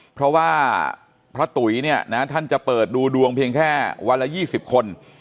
เพราะว่าพระตุ๋ยเนี่ยนะท่านจะเปิดดูดวงเพียงแค่วันละ๒๐คน